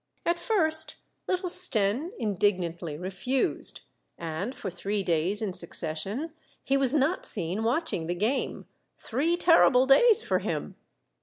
At first little Stenne indignantly refused ; and for three days in succession he was not seen watching the game, — three terrible days for him.